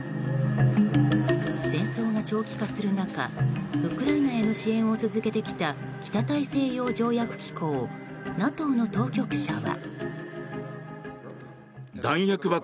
戦争が長期化する中ウクライナへの支援を続けてきた北大西洋条約機構・ＮＡＴＯの当局者は。